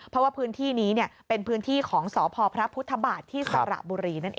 เพราะว่าพื้นที่นี้เป็นพื้นที่ของสพพระพุทธบาทที่สระบุรีนั่นเอง